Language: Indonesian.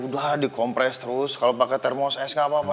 udah dikompres terus kalau pakai termos es nggak apa apa